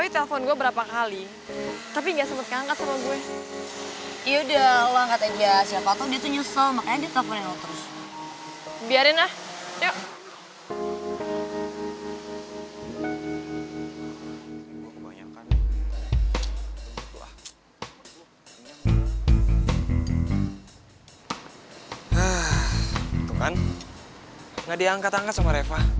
tunggu kan gak diangkat angkat sama reva